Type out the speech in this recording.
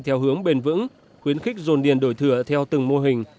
theo hướng bền vững khuyến khích dồn điền đổi thừa theo từng mô hình